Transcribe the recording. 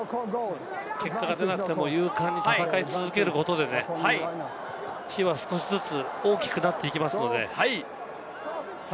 結果が出なくても勇敢に戦い続けることで、火は少しずつ大きくなっていきますので。